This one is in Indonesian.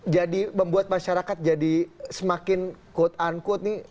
jadi membuat masyarakat jadi semakin quote unquote nih